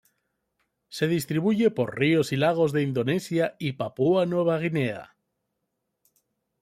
Se distribuye por ríos y lagos de Indonesia y Papúa Nueva Guinea.